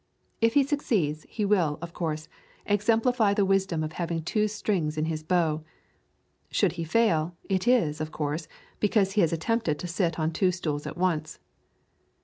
If he succeeds, he will, of course, exemplify the wisdom of having two strings to his bow. Should he fail, it is, of course, because he has attempted to sit on two stools at once.